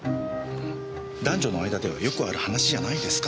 男女の間ではよくある話じゃないですか。